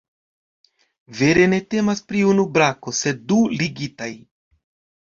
Vere ne temas pri unu brako, sed du ligitaj.